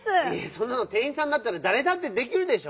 そんなのてんいんさんだったらだれだってできるでしょ！